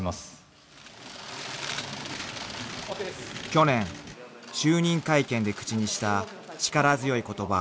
［去年就任会見で口にした力強い言葉］